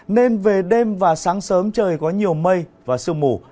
nên về đêm và sáng sớm trời có nhiều mây và sương mù